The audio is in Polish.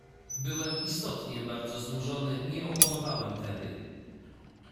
"Byłem istotnie bardzo znużony, nie oponowałem tedy."